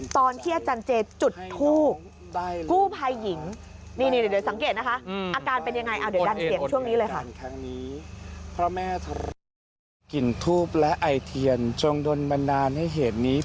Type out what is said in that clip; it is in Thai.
ตอนที่อาจารย์เจกับหัวหน้าชุดทูบ